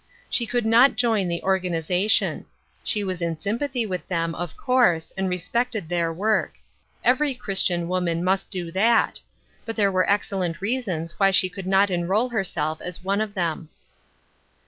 She could not join the organization. She was in sympathy with them, of course, and respected their work ; every Chris tian woman must do that ; but there were excellent reasons why she could not enroll herself as one of them.